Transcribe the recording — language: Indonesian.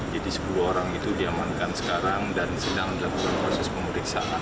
jadi sepuluh orang itu diamankan sekarang dan sedang dilakukan proses pemeriksaan